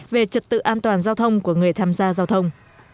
về trật tự an toàn giao thông của người tham gia giao thông